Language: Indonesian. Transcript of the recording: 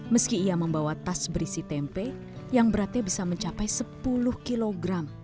meski ia membawa tas berisi tempe yang beratnya bisa mencapai sepuluh kg